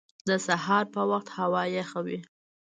د سهار په وخت هوا یخه وي